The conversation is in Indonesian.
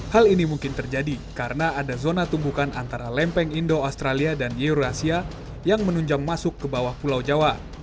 hal ini mungkin terjadi karena ada zona tumbukan antara lempeng indo australia dan eurasia yang menunjang masuk ke bawah pulau jawa